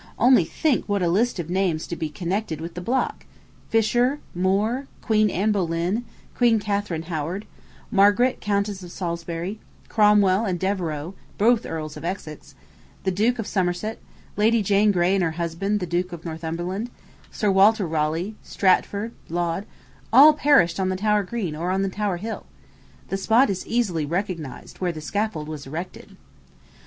Only think what a list of names to be connected with the block Fisher, More, Queen Anne Boleyn, Queen Catherine Howard, Margaret, Countess of Salisbury, Cromwell and Devereux, both Earls of Essex, the Duke of Somerset, Lady Jane Grey and her husband, the Duke of Northumberland, Sir Walter Raleigh, Strafford, Laud, all perished on the Tower Green or on the Tower Hill. The spot is easily recognized where the scaffold was erected.